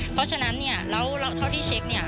เพราะฉะนั้นเนี่ยแล้วเท่าที่เช็คเนี่ย